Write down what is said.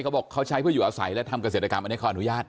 เขาบอกเขาใช้เพื่ออยู่อาศัยและทำเกษตรกรรมอันนี้เขาอนุญาต